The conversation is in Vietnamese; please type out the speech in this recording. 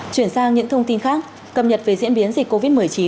chuyển sang những thông tin khác cập nhật về diễn biến dịch covid một mươi chín